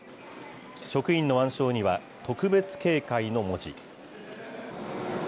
職員の腕章には、特別警戒の文字。